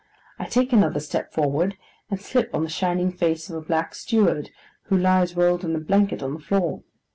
I take another step forward, and slip on the shining face of a black steward, who lies rolled in a blanket on the floor.